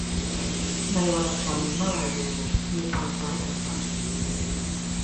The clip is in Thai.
ในวรรณกรรมมลายูมีความคล้ายกันกับ